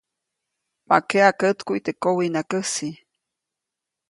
Ma keʼa kätkuʼy teʼ kowiʼnakäjsi.